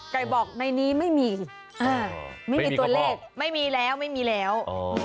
ไก่บอกในนี้ไม่มีไม่มีตัวเลขไม่มีแล้วไม่มีแล้ว